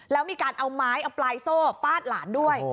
แล้วมีการเอาไม้เอาปลายโซ่ฟาดหลานด้วย